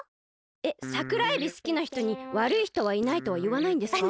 えっサクラエビすきなひとにわるいひとはいないとはいわないんですか？